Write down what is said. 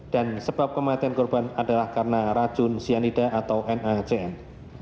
dan sebab kematian korban adalah karena racun cyanida atau nacn